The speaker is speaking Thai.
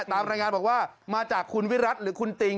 ตามรายงานบอกว่ามาจากคุณวิรัติหรือคุณติง